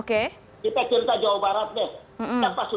kita cilin ke jawa barat deh